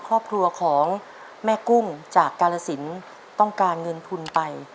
ครอบครัวของแม่กุ้งจากกาลสินต้องการเงินทุนไป